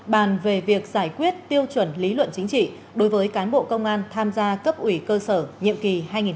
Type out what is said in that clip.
bàn về việc giải quyết tiêu chuẩn lý luận chính trị đối với cán bộ công an tham gia cấp ủy cơ sở nhiệm kỳ hai nghìn hai mươi hai nghìn hai mươi năm